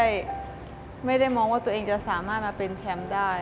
ไม่ได้มองว่าตัวเองจะสามารถมาเป็นแชมป์ได้